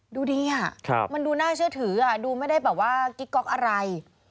ดูดีอ่ะมันดูน่าเชื่อถือดูไม่ได้แบบว่ากิ๊กก๊อกอะไร